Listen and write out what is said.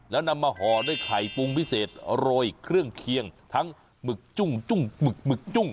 แล้วนำมาห่อด้วยไข่ปรุงพิเศษโรยเครื่องเคียงทั้งหมึกจุ้งจุ้งหมึกหมึกจุ้ง